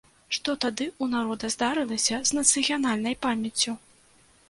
Што тады ў народа здарылася з нацыянальнай памяццю?